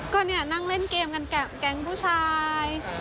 ก็เนี่ยนั่งเล่นเกมกันกับแก๊งผู้ชาย